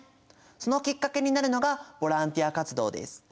そのきっかけになるのがボランティア活動です。